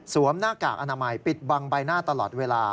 หน้ากากอนามัยปิดบังใบหน้าตลอดเวลา